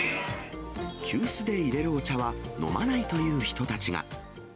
急須で入れるお茶は飲まないという人たちが。